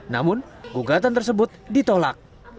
namun gugatan tersebut ditolak